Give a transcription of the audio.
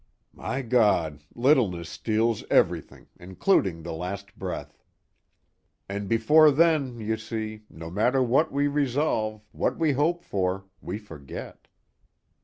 "My God, littleness steals everything, including the last breath. And before then, you see, no matter what we resolve, what we hope for we forget."